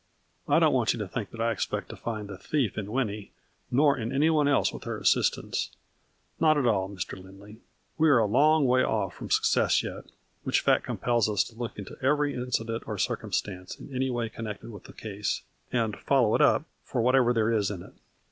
I don't want you to think that I expect to find the thief in Winnie, nor in any one else with her assistance. Not at all, Mr. Lindley. We are a long way off from success yet, which fact compels us to look into every incident or circumstance in any way connected with the case, and follow it up for whatever there is in it.